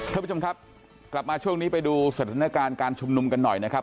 ท่านผู้ชมครับกลับมาช่วงนี้ไปดูสถานการณ์การชุมนุมกันหน่อยนะครับ